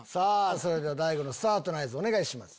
それでは大悟のスタートの合図お願いします。